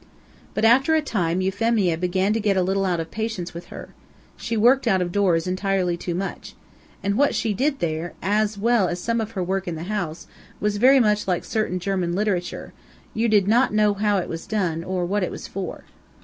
But, after a time, Euphemia began to get a little out of patience with her. She worked out of doors entirely too much. And what she did there, as well as some of her work in the house, was very much like certain German literature you did not know how it was done, or what it was for.